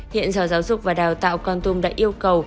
hiện sở giáo dục và đào tạo quantum đã yêu cầu